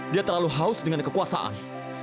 dia terlalu haus dengan kekuasaan